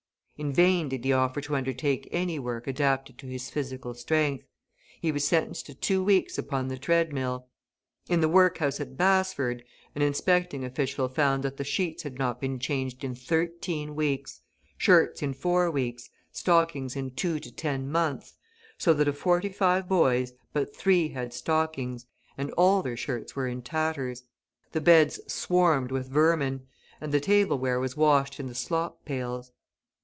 In vain did he offer to undertake any work adapted to his physical strength; he was sentenced to two weeks upon the treadmill. In the workhouse at Basford, an inspecting official found that the sheets had not been changed in thirteen weeks, shirts in four weeks, stockings in two to ten months, so that of forty five boys but three had stockings, and all their shirts were in tatters. The beds swarmed with vermin, and the tableware was washed in the slop pails.